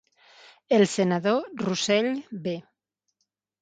El senador Russell B.